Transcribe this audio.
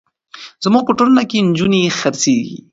زموږ په ټولنه کې نجونې خرڅېږي.